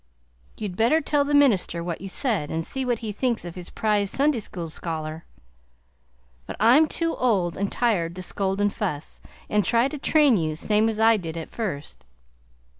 You'd better tell the minister what you said and see what he thinks of his prize Sunday school scholar. But I'm too old and tired to scold and fuss, and try to train you same as I did at first.